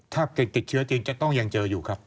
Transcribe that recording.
ถ้าติดเชื้อจริงจะต้องยังเจออยู่ครับ